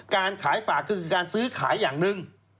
การขายฝากก็คือการซื้อขายอย่างหนึ่ง